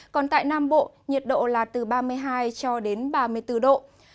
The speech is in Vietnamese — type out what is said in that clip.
còn tại nam bộ nhiệt độ là từ ba mươi hai cho đến ba mươi bốn độ